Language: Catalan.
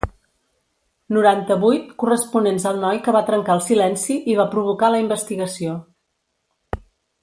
Noranta-vuit, corresponents al noi que va trencar el silenci i va provocar la investigació.